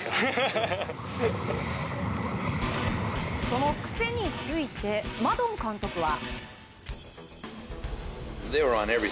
その癖についてマドン監督は。